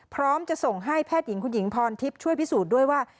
พร้อมจะส่งให้แพทย์หญิงคุณหญิงพรทิพย์ช่วยพิสูจน์ด้วยว่า